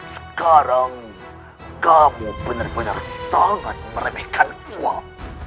sekarang kamu benar benar sangat merenekkan kuak